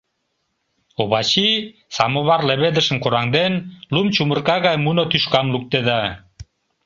Овачи, самовар леведышым кораҥден, лум чумырка гай муно тӱшкам луктеда.